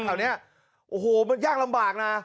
แถวนี้โอ้โหมันยากลำบากนะ